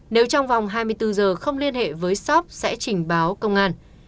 nếu trong vòng hai mươi bốn giờ không liên hệ với shop sẽ trình báo công an